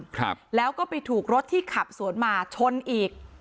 ครับแล้วก็ไปถูกรถที่ขับสวนมาชนอีก